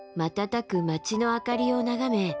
瞬く街の明かりを眺め